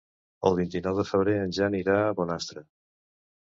El vint-i-nou de febrer en Jan irà a Bonastre.